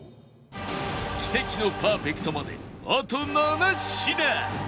奇跡のパーフェクトまであと７品